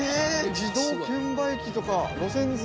自動券売機とか路線図。